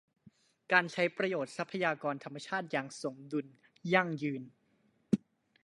การใช้ประโยชน์ทรัพยากรธรรมชาติอย่างสมดุล ยั่งยืน